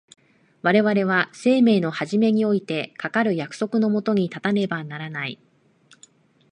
我々は生命の始めにおいてかかる約束の下に立たねばならない。